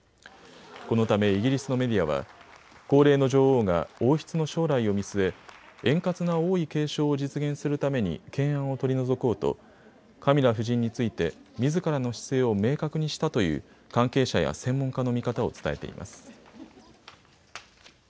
このためイギリスのメディアは高齢の女王が王室の将来を見据え円滑な王位継承を実現するために懸案を取り除こうとカミラ夫人についてみずからの姿勢を明確にしたという関係者や専門家の見方を伝えています。